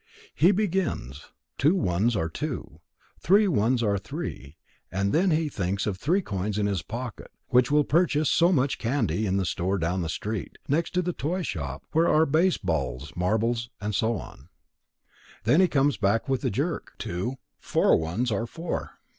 He begins: two ones are two; three ones are three and then he thinks of three coins in his pocket, which will purchase so much candy, in the store down the street, next to the toy shop, where are base balls, marbles and so on,—and then he comes back with a jerk, to four ones are four.